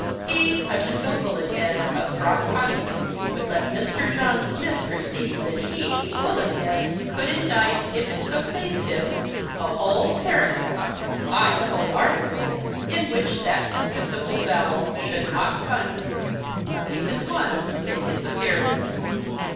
He, Touch and go Bullet head, of Frogpondium, would let Mr. John Smith perceive that he, Bullet head, could indite, if it so pleased him, a whole paragraph—aye! a whole article—in which that contemptible vowel should not once—not even once—make its appearance.